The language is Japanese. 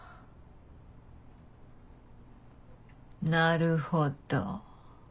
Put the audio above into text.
なるほど。